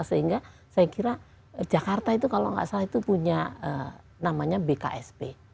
sehingga saya kira jakarta itu kalau nggak salah itu punya namanya bksp